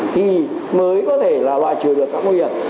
thì mới có thể là loại trừ được các nguy hiểm